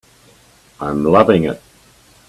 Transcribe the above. I'm loving it.